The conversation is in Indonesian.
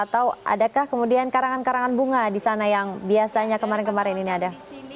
atau adakah kemudian karangan karangan bunga di sana yang biasanya kemarin kemarin ini ada